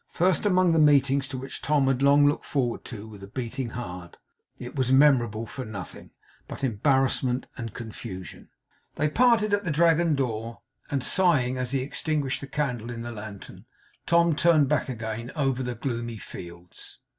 First among the meetings to which Tom had long looked forward with a beating heart, it was memorable for nothing but embarrassment and confusion. They parted at the Dragon door; and sighing as he extinguished the candle in the lantern, Tom turned back again over the gloomy fields.